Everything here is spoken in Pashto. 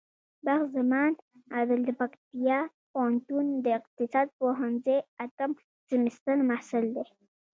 بخت زمان عادل د پکتيا پوهنتون د اقتصاد پوهنځی اتم سمستر محصل دی.